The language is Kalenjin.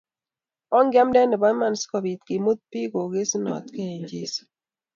Ongeamte eng iman si kobiit kimut bik kogesutnogei eng Jeso